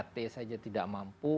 tiga t saja tidak mampu